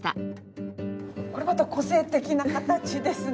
これまた個性的な形ですね。